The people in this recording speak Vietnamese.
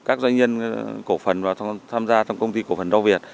các doanh nhân cổ phần vào tham gia trong công ty cổ phần rau việt